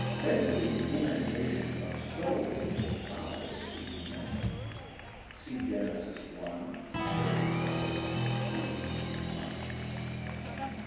Bentley's emendation of soul for fowl should be noted. See Genesis i. 30 A. V. margin.